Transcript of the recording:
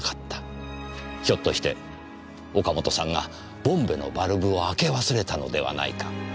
ひょっとして岡本さんがボンベのバルブを開け忘れたのではないか。